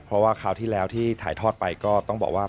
เพราะว่าคราวที่แล้วที่ถ่ายทอดไปก็ต้องบอกว่า